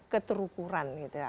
keterukuran gitu ya